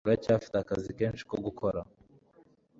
Uracyafite akazi kenshi ko gukora.